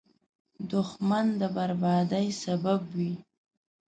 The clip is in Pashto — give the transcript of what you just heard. دښمن د بربادۍ سبب وي